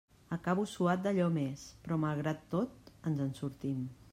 Acabo suat d'allò més, però malgrat tot ens en sortim.